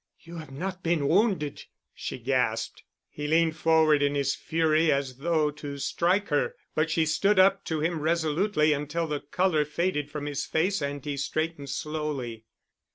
"You have not been wounded," she gasped. He leaned forward in his fury as though to strike her, but she stood up to him resolutely until the color faded from his face and he straightened slowly.